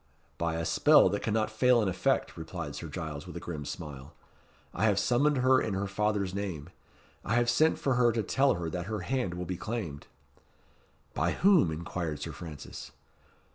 "By a spell that cannot fail in effect," replied Sir Giles, with a grim smile. "I have summoned her in her father's name. I have sent for her to tell her that her hand will be claimed." "By whom?" inquired Sir Francis.